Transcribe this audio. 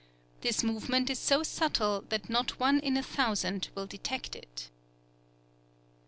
This movement is so subtle that not one in a thousand will detect it.